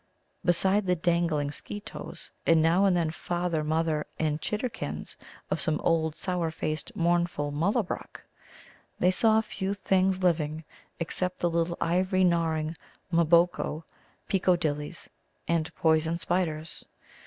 Beside the dangling Skeetoes, and now and then father, mother, and chidderkins of some old sour faced mournful Mullabruk, they saw few things living, except the little ivory gnawing M'boko, Peekodillies, and poison spiders.